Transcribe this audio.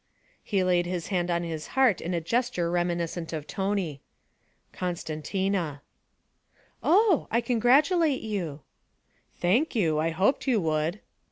He laid his hand on his heart in a gesture reminiscent of Tony. 'Costantina.' 'Oh! I congratulate you.' 'Thank you I hoped you would.'